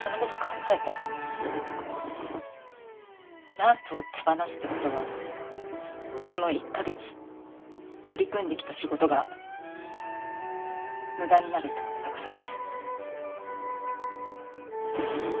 ランプを手放すってことはこの１か月取り組んできた仕事が無駄になるってことだからね。